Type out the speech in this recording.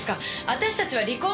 私たちは離婚。